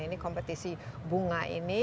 ini kompetisi bunga ini